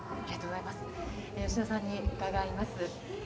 吉田さんに伺います。